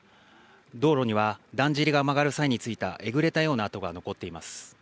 道路にはだんじりが曲がる際に付いたえぐれたような跡が残っています。